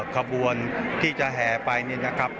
ขบวนที่จะแห่ไปนี่นะครับ